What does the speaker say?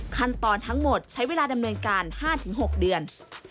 ขั้นตอนทั้งหมดใช้เวลาดำเนินการ๕๖เดือน